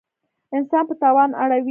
انسان په تاوان اړوي.